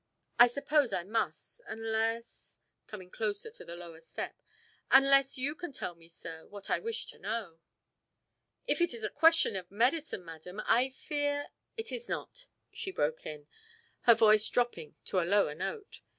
"I suppose I must, unless," coming close to the lower step, "unless you can tell me, sir, what I wish to know." "If it is a question of medicine, madam, I fear " "It is not," she broke in, her voice dropping to a lower note.